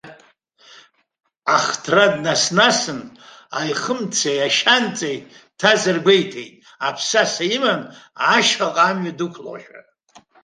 Ахҭра днас-насын, аихымцеи ашьанҵеи ҭазар гәеиҭеит, аԥсаса иманы, ашьхаҟа амҩа дықәлошәа.